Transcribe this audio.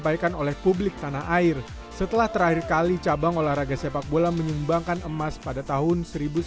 disampaikan oleh publik tanah air setelah terakhir kali cabang olahraga sepak bola menyumbangkan emas pada tahun seribu sembilan ratus sembilan puluh